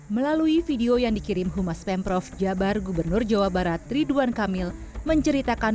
melalui video yang dikirim humas pemprov jabar gubernur jawa barat ridwan kamil menceritakan